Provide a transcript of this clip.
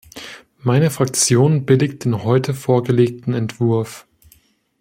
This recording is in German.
Meine Fraktion billigt den heute vorgelegten Entwurf.